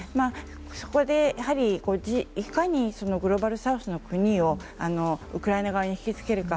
そこでいかにグローバルサウスの国をウクライナ側に引き付けるか。